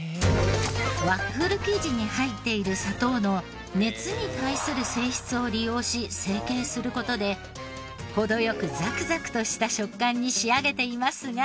ワッフル生地に入っている砂糖の熱に対する性質を利用し成形する事で程良くザクザクとした食感に仕上げていますが。